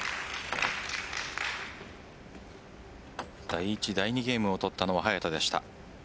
第１、第２ゲームを取ったのは早田でした。